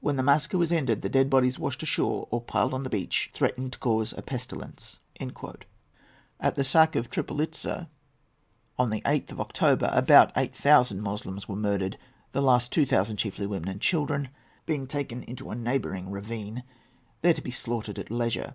When the massacre was ended, the dead bodies washed ashore, or piled on the beach, threatened to cause a pestilence."[A] At the sack of Tripolitza, on the 8th of October, about eight thousand Moslems were murdered, the last two thousand, chiefly women and children, being taken into a neighbouring ravine, there to be slaughtered at leisure.